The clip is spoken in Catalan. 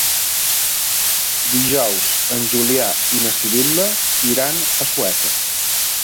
Dijous en Julià i na Sibil·la iran a Sueca.